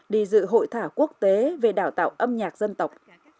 đi dự hội thảo quốc tế về đào tạo âm nhạc dân tộc